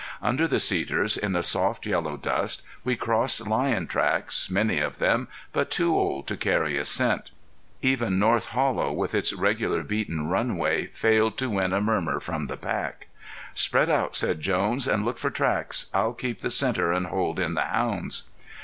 Under the cedars in the soft yellow dust we crossed lion tracks, many of them, but too old to carry a scent. Even North Hollow with its regular beaten runway failed to win a murmur from the pack. "Spread out," said Jones, "and look for tracks. I'll keep the center and hold in the hounds."